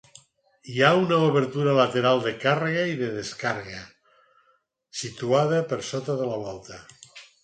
Hi ha una obertura lateral de càrrega i descàrrega, situada per sota de la volta.